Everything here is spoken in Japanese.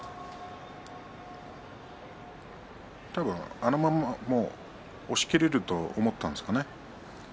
このまま押しきれると思ったんですかね。